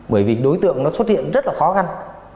bởi vì đối tượng nó xuất hiện rất là khó khăn